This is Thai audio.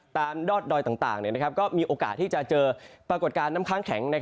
ตามยอดดอยต่างก็มีโอกาสที่จะเจอปรากฏการณ์น้ำค้างแข็ง